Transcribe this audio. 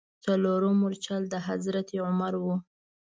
څلورم مورچل د حضرت عمر و.